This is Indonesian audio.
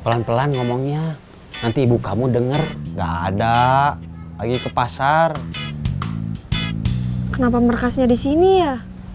pelan pelan ngomongnya nanti ibu kamu denger gak ada lagi ke pasar kenapa berkasnya di sini ya